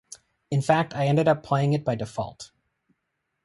In fact, I ended up playing it by default.